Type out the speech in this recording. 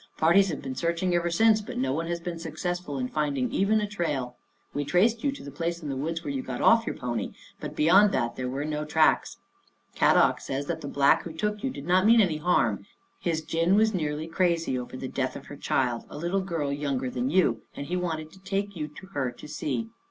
Par ties have been searching ever since, but no one has been successful in finding even a trail. We traced you to the place in the woods where you got off your pony, but beyond that there were no tracks. Kadok says that the Black who took you did not mean any harm. His gin was nearly crazy over the death of her child, a little girl younger than you, and he wanted to take you to her to see.